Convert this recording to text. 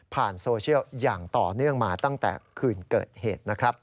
โซเชียลอย่างต่อเนื่องมาตั้งแต่คืนเกิดเหตุนะครับ